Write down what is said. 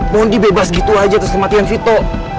moni bebas gitu aja terus kematian vito